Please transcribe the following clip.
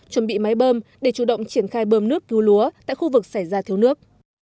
chuẩn bị máy bơm để chủ động triển khai bơm nước cứu lúa tại khu vực xảy ra thiếu nước